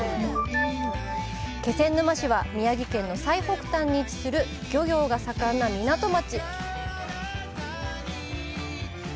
気仙沼市は、宮城県の最北端に位置する漁業が盛んな港町！